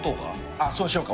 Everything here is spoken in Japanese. あっそうしようか。